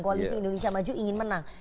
koalisi indonesia maju ingin menang